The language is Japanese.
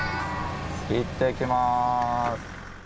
いってきます。